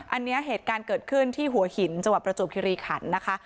อันนี้เหตุการณ์เกิดขึ้นที่หัวหินจังหวัดประจวบคิริขันนะคะ